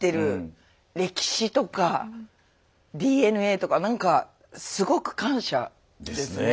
歴史とかＤＮＡとか何かすごく感謝ですね。